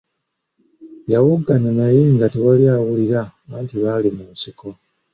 Yawoggana naye nga tewali awulira anti baali mu nsiko.